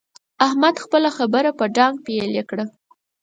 احمد خپله خبره په ډانګ پېيلې کړه.